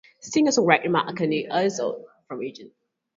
Singer-songwriter Mat Kearney is also from Eugene.